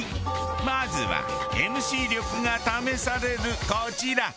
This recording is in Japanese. まずはＭＣ力が試されるこちら。